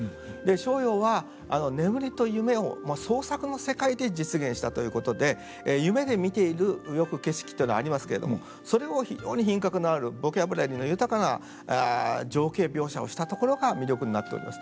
逍遙は眠りと夢を創作の世界で実現したということで夢で見ているよく景色っていうのがありますけれどもそれを非常に品格のあるボキャブラリーの豊かな情景描写をしたところが魅力になっております。